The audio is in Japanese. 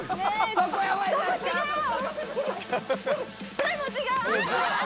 それも違うああ！